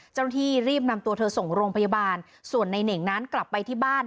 เจ้าหน้าที่รีบนำตัวเธอส่งโรงพยาบาลส่วนในเหน่งนั้นกลับไปที่บ้าน